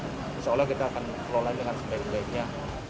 seolah olah kita akan mengelola dengan sebaik baiknya